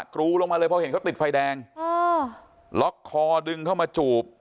กรูลงมาเลยพอเห็นเขาติดไฟแดงล็อกคอดึงเข้ามาจูบ